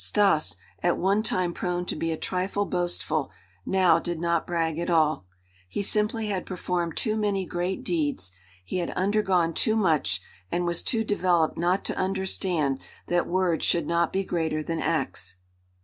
Stas, at one time prone to be a trifle boastful, now did not brag at all. He simply had performed too many great deeds, he had undergone too much, and was too developed not to understand that words should not be greater than acts.